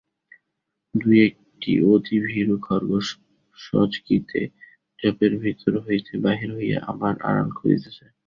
দুই-একটি অতি ভীরু খরগোস সচকিতে ঝোপের ভিতর হইতে বাহির হইয়া আবার আড়াল খুঁজিতেছে।